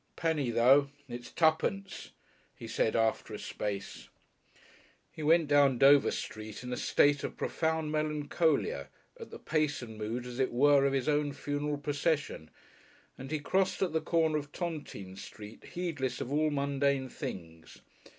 "Penny though! It's tuppence," he said after a space. He went down Dover Street in a state of profound melancholia at the pace and mood as it were of his own funeral procession and he crossed at the corner of Tontine Street heedless of all mundane things.